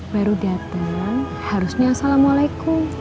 baru datang harusnya salamualaikum